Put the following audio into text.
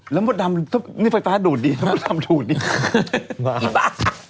แล้วหมดนำนี่ไฟฟ้าดูดดิแล้วหมดนำดูดดิ